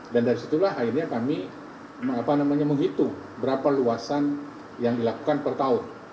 dan dari situlah akhirnya kami menghitung berapa luasan yang dilakukan per tahun